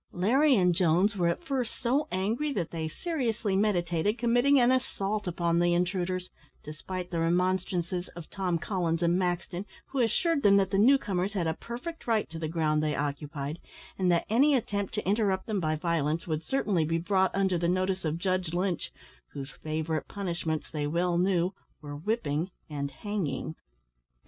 Larry and Jones were at first so angry that they seriously meditated committing an assault upon the intruders, despite the remonstrances of Tom Collins and Maxton, who assured them that the new comers had a perfect right to the ground they occupied, and that any attempt to interrupt them by violence would certainly be brought under the notice of Judge Lynch, whose favourite punishments, they well knew, were whipping and hanging.